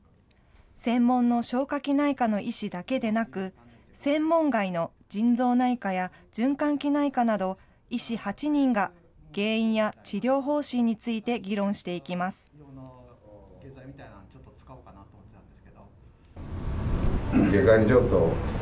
専門の消化器内科の医師だけでなく、専門外の腎臓内科や循環器内科など、医師８人が、原因や治療方針について議論していきます。